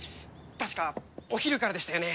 確かお昼からでしたよね